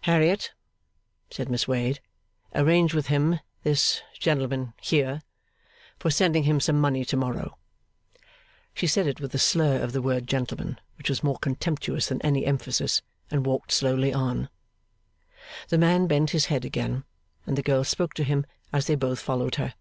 'Harriet,' said Miss Wade, 'arrange with him this gentleman here for sending him some money to morrow.' She said it with a slur of the word gentleman which was more contemptuous than any emphasis, and walked slowly on. The man bent his head again, and the girl spoke to him as they both followed her.